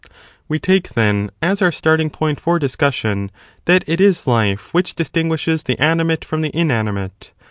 We take, then, as our starting point for discussion that it is life 2 which distinguishes the animate from the inanimate.